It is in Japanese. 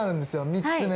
３つ目。